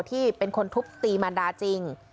ที่เป็นคนทุบตีมารดาจริง